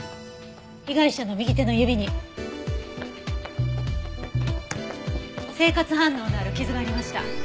被害者の右手の指に生活反応のある傷がありました。